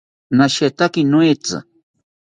Nashetaki noetzi